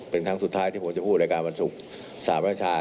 เป็นครั้งสุดท้ายที่ผมจะพูดรายการวันศุกร์สระประชา